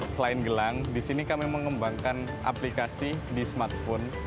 selain gelang di sini kami mengembangkan aplikasi di smartphone